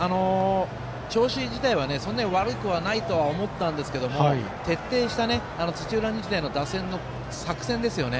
調子自体はそんなに悪くはないと思ったんですけど徹底した土浦日大の打線の作戦ですよね。